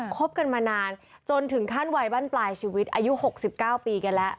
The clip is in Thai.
คบกันมานานจนถึงขั้นวัยบ้านปลายชีวิตอายุ๖๙ปีกันแล้ว